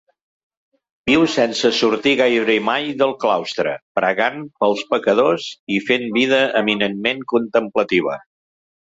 Viu sense sortir gairebé mai del claustre, pregant pels pecadors i fent vida eminentment contemplativa.